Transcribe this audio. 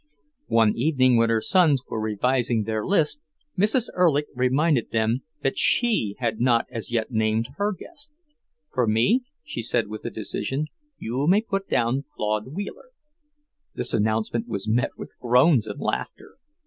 One evening when her sons were revising their list, Mrs. Erlich reminded them that she had not as yet named her guest. "For me," she said with decision, "you may put down Claude Wheeler." This announcement was met with groans and laughter.